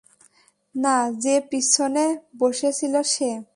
না, যে পিছনে বসে ছিল সে।